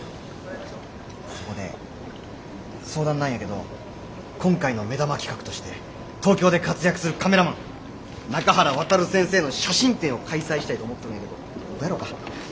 そこで相談なんやけど今回の目玉企画として東京で活躍するカメラマン中原航先生の写真展を開催したいと思っとるんやけどどうやろか？